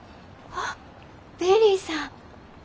あっベリーさん。